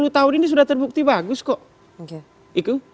dua puluh tahun ini sudah terbukti bagus kok